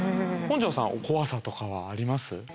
本上さん怖さとかはあります？